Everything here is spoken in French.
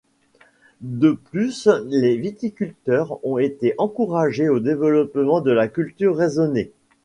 De plus les viticulteurs ont été encouragés au développement de la culture raisonnée.